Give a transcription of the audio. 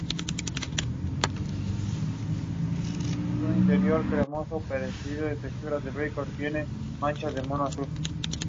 He was among the most famous greenhouse owners in Chicago.